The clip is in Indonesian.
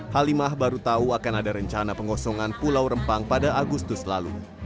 halimah baru tahu akan ada rencana pengosongan pulau rempang pada agustus lalu